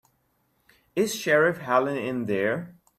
Is Sheriff Helen in there?